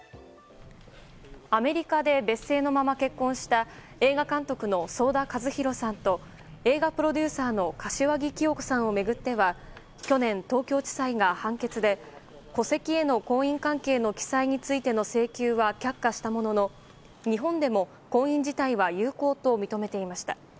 アメリカで別姓のまま結婚した映画監督の想田和弘さんと映画プロデューサーの柏木規与子さんを巡っては去年、東京地裁が判決で戸籍への婚姻関係の記載についての請求は却下したものの日本でも婚姻自体は有効と認めていました。